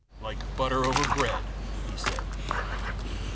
" Like butter over bread," he said.